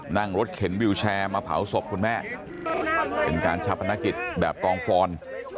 นั่งรถเข็นวิวแชร์มาเผาศพคุณแม่เป็นการชาปนกิจแบบกองฟอน